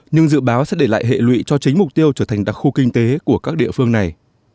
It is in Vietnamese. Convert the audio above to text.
nhưng dự báo sẽ để lại hệ lụy cho chính mục tiêu trở thành đặc khu kinh tế của các địa phương này